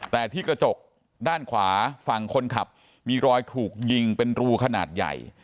แต่ที่กระจกด้านขวาฝั่งคนขับมีรอยถูกยิงเป็นรูขนาดใหญ่